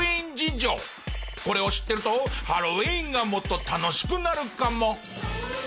これを知ってるとハロウィーンがもっと楽しくなるかも。